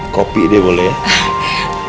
kopi deh boleh ya